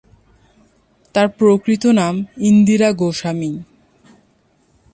তার প্রকৃত নাম "ইন্দিরা গোস্বামী"।